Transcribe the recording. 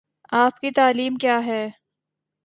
آپ کی تعلیم کیا ہے ؟